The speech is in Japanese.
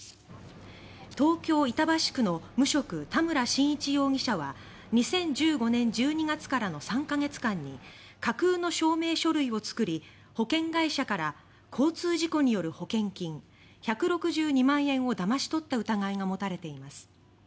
東京・板橋区の無職・田村晋一容疑者は２０１５年１２月からの３か月間に架空の証明書類を作り保険会社から交通事故による保険金１６２万円をだまし取った疑いが持たれています。